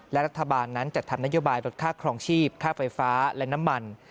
และรัฐบาลนั้นจัดทำนโยบายลดค่าครองชีพค่าไฟฟ้าและน้ำมัน